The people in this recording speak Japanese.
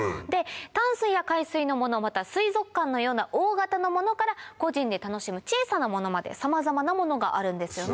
淡水や海水のものまたは水族館のような大型のものから個人で楽しむ小さなものまでさまざまなものがあるんですよね。